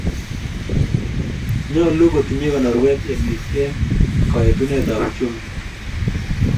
Nyolu kotinyei konorweet emet eng koetunetab uchumi